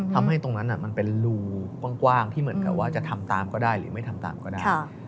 ตรงนั้นมันเป็นรูกว้างที่เหมือนกับว่าจะทำตามก็ได้หรือไม่ทำตามก็ได้